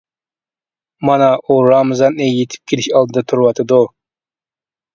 مانا ئۇ رامىزان ئېيى يېتىپ كېلىش ئالدىدا تۇرۇۋاتىدۇ.